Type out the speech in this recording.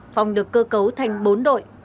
phòng được cơ cấu thành bốn đội